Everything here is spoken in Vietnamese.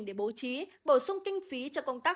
để bố trí bổ sung kinh phí cho công tác